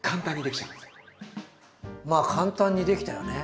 まあ簡単にできたよね。